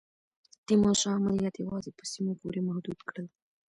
تیمورشاه عملیات یوازي په سیمو پوري محدود کړل.